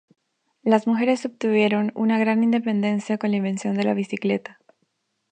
Las mujeres obtuvieron una gran independencia con la invención de la bicicleta.